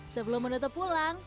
sebelum menutup pulang